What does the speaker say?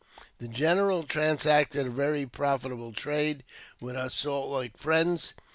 The general transacted a very profitable trade with our Salt Lake friends.